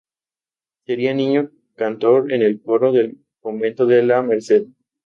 Sería niño cantor en el coro del convento de la Merced.